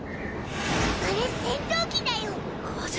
あれ戦闘機だよ！